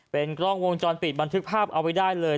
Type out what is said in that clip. เป็นกล้องวงจรปิดบันทึกภาพเอาไว้ได้เลย